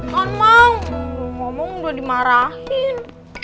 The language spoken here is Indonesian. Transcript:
mamang belum ngomong udah dimarahin